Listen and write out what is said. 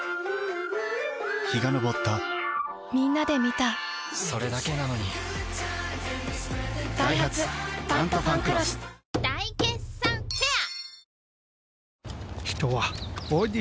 陽が昇ったみんなで観たそれだけなのにダイハツ「タントファンクロス」大決算フェア